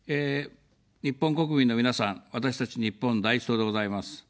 日本国民の皆さん、私たち、日本第一党でございます。